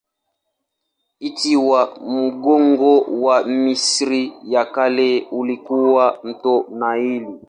Uti wa mgongo wa Misri ya Kale ulikuwa mto Naili.